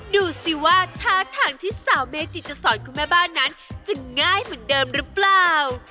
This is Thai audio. ดูสิว่าท่าทางที่สาวเมจิจะสอนคุณแม่บ้านนั้นจะง่ายเหมือนเดิมหรือเปล่า